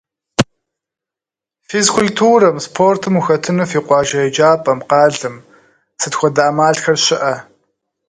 Физкультурэм, спортым ухэтыну фи къуажэ еджапӀэм, къалэм сыт хуэдэ Ӏэмалхэр щыӀэ?